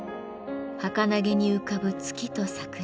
はかなげに浮かぶ月と桜。